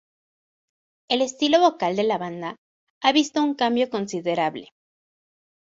El estilo vocal de la banda ha visto un cambio considerable.